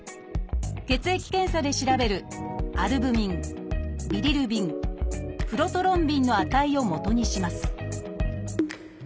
血液検査で調べるアルブミンビリルビンプロトロンビンの値をもとにします